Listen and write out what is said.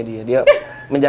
satu aja ya